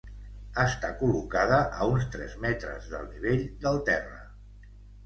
Està col·locada a uns tres metres del nivell del terra.